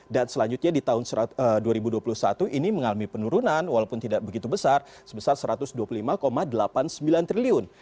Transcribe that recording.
dan selanjutnya di tahun dua ribu dua puluh satu ini mengalami penurunan walaupun tidak begitu besar sebesar satu ratus dua puluh lima delapan puluh sembilan triliun